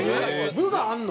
部があるの？